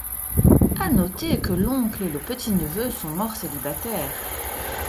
À noter que l’oncle et le petit-neveu sont morts célibataires.